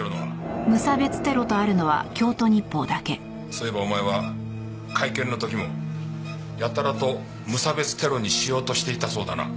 そういえばお前は会見の時もやたらと無差別テロにしようとしていたそうだな。